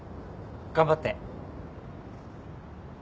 頑張って。